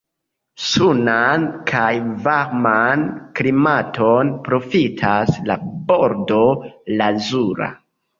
Sunan kaj varman klimaton profitas la Bordo Lazura.